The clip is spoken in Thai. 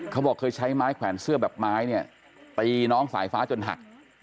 เขาบอกเคยใช้ไม้แขวนเสื้อแบบไม้เนี่ยตีน้องสายฟ้าจนหัก